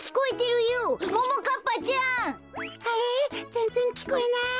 ぜんぜんきこえない。